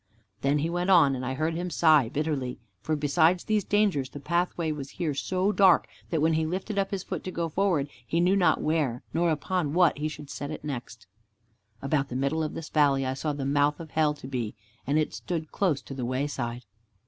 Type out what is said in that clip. Then he went on, and I heard him sigh bitterly. For besides these dangers, the pathway was here so dark, that when he lifted up his foot to go forward, he knew not where, nor upon what he should set it next. About the middle of this valley I saw the mouth of hell to be, and it stood close to the wayside.